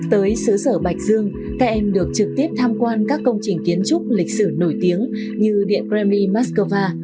tới xứ sở bạch dương các em được trực tiếp tham quan các công trình kiến trúc lịch sử nổi tiếng như điện kremlin mắc cơ va